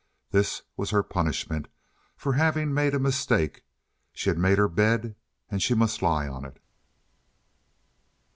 This was her punishment for having made a mistake. She had made her bed, and she must lie on it.